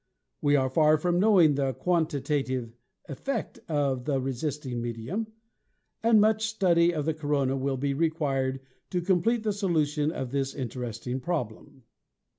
We are far from knowing the quan titative effect of the resisting medium, and much study of MERCURY 131 the corona will be required to complete the solution of this interesting problem."